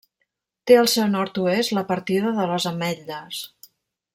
Té al seu nord-oest la partida de les Ametlles.